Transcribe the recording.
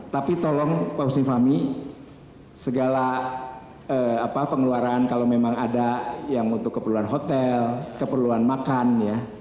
tapi tolong pak husni fahmi segala pengeluaran kalau memang ada yang untuk keperluan hotel keperluan makan ya